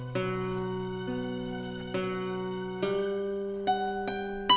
neng mah kayak gini